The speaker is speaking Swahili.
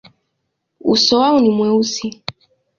Uso wao ni mweusi.